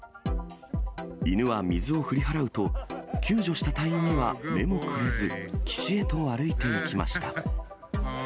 犬は水を振り払うと、救助した隊員には目もくれず、岸へと歩いていきました。